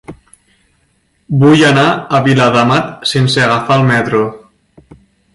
Vull anar a Viladamat sense agafar el metro.